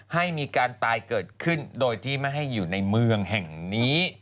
ให้มีการตายเกิดขึ้นโดยที่ไม่ให้อยู่ในเมืองแห่งนี้